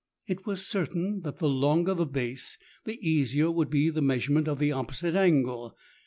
It was certain that the longer the base, the easier would be the measurement of the opposite angle.